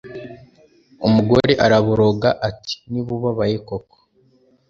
umugore araboroga ati niba ubabaye koko